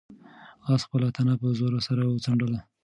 آس خپله تنه په زور سره وڅنډله.